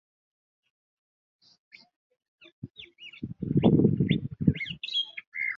Omukubiriza w'Olukiiko lwa Buganda, Oweekitiibwa Patrick Luwaga Mugumbule akambuwadde